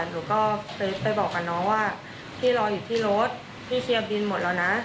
หนูก็ไปบอกกับน้องว่าพี่รออยู่ที่รถพี่เชียร์บินหมดแล้วนะ